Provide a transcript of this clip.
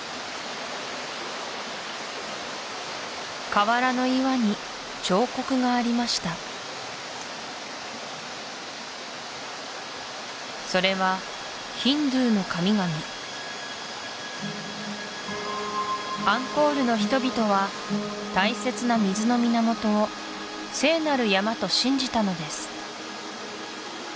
河原の岩に彫刻がありましたそれはアンコールの人々は大切な水の源を聖なる山と信じたのです